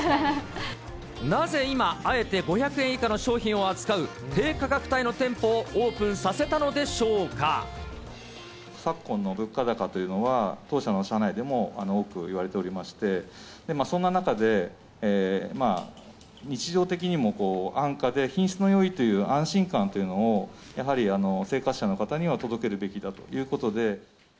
なぜ今、あえて５００円以下の商品を扱う低価格帯の店舗をオープンさせた昨今の物価高というのは、当社の社内でも多く言われておりまして、そんな中で、日常的にも安価で品質のよいという安心感というのを、やはり生活者の方には届けるべきだということで。